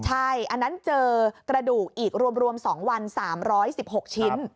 ใช่อันนั้นเจอกระดูกอีกรวม๒วัน๓๑๖ชิ้น